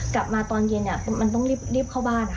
ตอนเย็นมันต้องรีบเข้าบ้าน